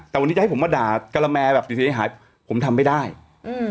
แต่วันนี้จะให้ผมมาด่ากะละแมแบบเสียหายหายผมทำไม่ได้อืม